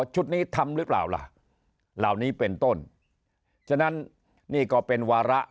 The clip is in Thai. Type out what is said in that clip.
ชุดนี้ทำหรือเปล่าล่ะเหล่านี้เป็นต้นฉะนั้นนี่ก็เป็นวาระ